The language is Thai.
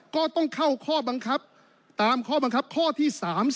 ก็ต้องเข้าข้อบังคับตามข้อบังคับข้อที่๓๔